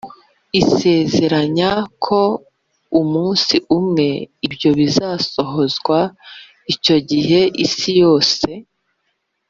Isezeranya ko umunsi umwe ibyo bizasohozwa icyo gihe isi yose